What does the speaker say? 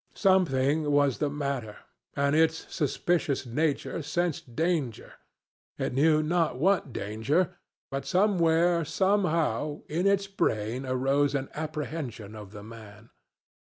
Something was the matter, and its suspicious nature sensed danger,—it knew not what danger but somewhere, somehow, in its brain arose an apprehension of the man.